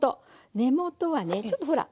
根元はねちょっとほら。